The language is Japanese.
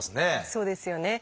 そうですよね。